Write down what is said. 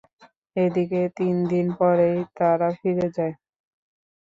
এদিকে তিনদিন পরেই তারা ফিরে যায়।